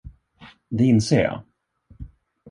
Det inser jag.